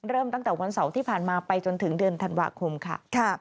ตั้งแต่วันเสาร์ที่ผ่านมาไปจนถึงเดือนธันวาคมค่ะ